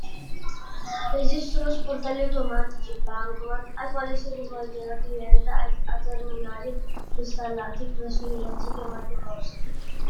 Esistono sportelli automatici (Bancomat) ai quali si rivolge la clientela e terminali installati presso negozi chiamati POS.